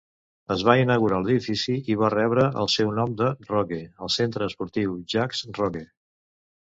Es va inaugurar l'edifici i va rebre el seu nom de Rogge: "El Centre esportiu Jacques Rogge".